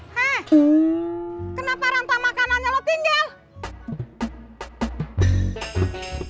he kenapa rantah makanannya lo tinggal